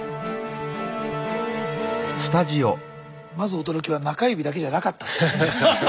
まず驚きは中指だけじゃなかったんですね。